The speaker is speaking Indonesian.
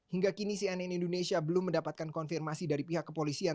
hingga kini cnn indonesia belum mendapatkan konfirmasi dari pihak kepolisian